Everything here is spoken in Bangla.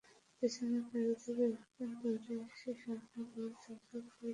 পেছনের গাড়ি থেকে একজন দৌড়ে এসে সামনের গাড়ির দরজা খুলে দিলেন।